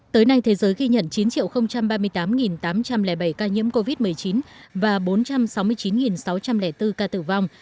tới nay thế giới ghi nhận chín ba mươi tám tám trăm linh bảy ca nhiễm covid một mươi chín và bốn trăm sáu mươi chín sáu trăm linh bốn ca tử vong